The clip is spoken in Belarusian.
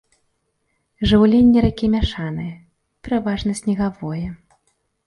Жыўленне ракі мяшанае, пераважае снегавое.